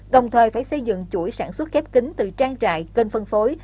đồng thời phải xây dựng chuỗi sản xuất khép kính từ trang trại kênh phân phối